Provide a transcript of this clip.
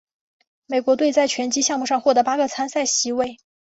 美国队在拳击项目上获得八个参赛席位。